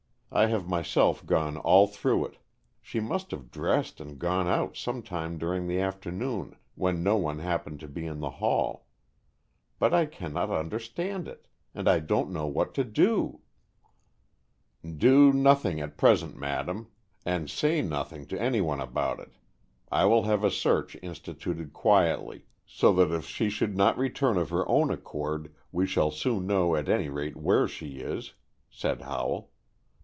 I have myself gone all through it. She must have dressed and gone out sometime during the afternoon, when no one happened to be in the hall. But I cannot understand it. And I don't know what to do." "Do nothing at present, madam. And say nothing to anyone about it. I will have a search instituted quietly, so that if she should not return of her own accord, we shall soon know, at any rate, where she is," said Howell.